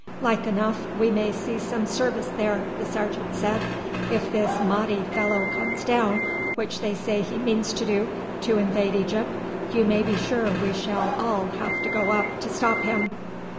"Like enough we may see some service there," the sergeant said. "If this Mahdi fellow comes down, which they say he means to do, to invade Egypt, you may be sure we shall all have to go up to stop him."